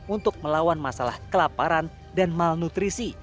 untuk melawan masalah kelaparan dan malnutrisi